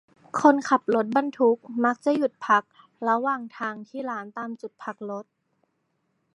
คนขับรถบรรทุกมักจะหยุดพักระหว่างทางที่ร้านตามจุดพักรถ